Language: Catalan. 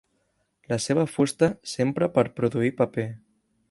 La seva fusta s'empra per produir paper.